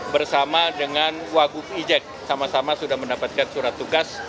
bersama dengan wagub ijek sama sama sudah mendapatkan surat tugas